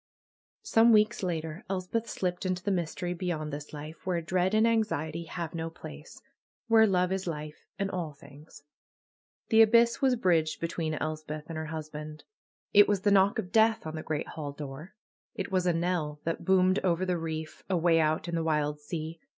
Some Aveeks later Elspeth slipped into the mystery be yond this life, where dread and anxiety have no place. TVhere love is life and all things, 156 THE KNELL OF NAT PAGAN The abyss was bridged between Elspeth and her husband. It was the knock of death on the great hall door. It was a knell that boomed over the reef, away out in the wild sea.